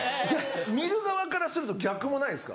見る側からすると逆もないですか？